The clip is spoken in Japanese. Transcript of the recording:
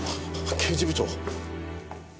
刑事部長。